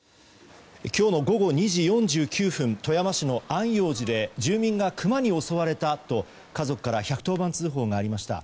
今日の午後２時４９分富山市の安養寺で住民がクマに襲われたと家族から１１０番通報がありました。